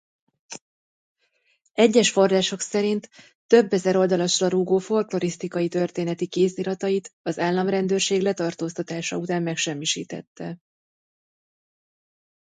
Egyes források szerint több ezer oldalasra rúgó folklorisztikai-történeti kéziratait az államrendőrség letartóztatása után megsemmisítette.